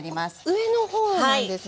上の方なんですね。